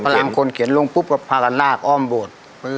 พลังงานคนเข็นลงปุ๊บกับพาระรากอ้อมโบด